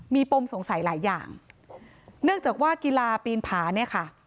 มีปมสงสัยหลายอย่างเนื่องจากว่ากีฬาปีนผาเนี่ยค่ะ